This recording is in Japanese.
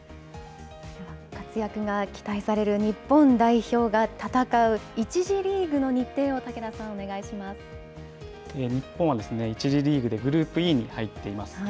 活躍が期待される日本代表が戦う、１次リーグの日程を武田さん、日本は、１次リーグでグループＥに入っています。